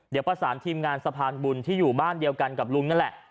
เดี๋ยวประสานทีมงานสะพานบุญที่อยู่บ้านเดียวกันกับลุงนั่นแหละ